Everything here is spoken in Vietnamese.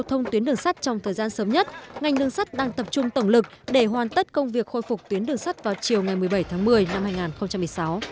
thông tuyến đường sắt trong thời gian sớm nhất ngành đường sắt đang tập trung tổng lực để hoàn tất công việc khôi phục tuyến đường sắt vào chiều ngày một mươi bảy tháng một mươi năm hai nghìn một mươi sáu